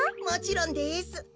もちろんです。